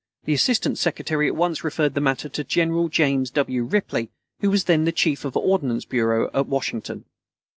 The Assistant Secretary at once referred the matter to General James W. Ripley, who was then the Chief of the Ordnance Bureau at Washington.